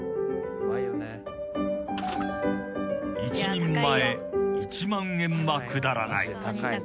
［１人前１万円は下らない］